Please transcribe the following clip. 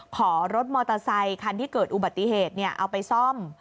ขอรถมอเตอร์ไซคันที่เกิดอุบัติเหตุเอาไปซ่อม